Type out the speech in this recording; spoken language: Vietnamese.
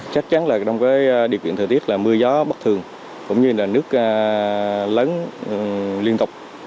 chắc chắn là trong cái điều kiện thời tiết là mưa gió bất thường cũng như là nước lớn liên tục